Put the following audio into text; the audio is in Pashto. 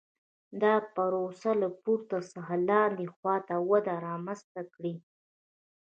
دا پروسه له پورته څخه لاندې خوا ته وده رامنځته کړي